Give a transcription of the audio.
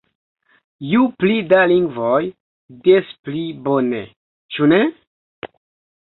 Ju pli da lingvoj, des pli bone, ĉu ne?